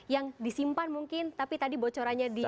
yang disimpan mungkin tapi tadi bocorannya di